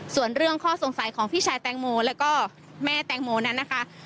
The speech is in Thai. ส่วนเรื่องข้อสงสัยของพี่ชายแตงโมแล้วก็แม่แตงโมนั้นนะคะ